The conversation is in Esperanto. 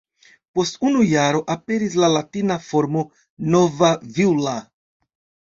Post unu jaro aperis la latina formo ""Nova Villa"".